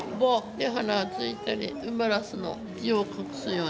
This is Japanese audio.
で花ついたり埋まらすの字を隠すように。